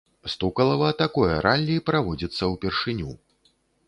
Стукалава, такое раллі праводзіцца ўпершыню.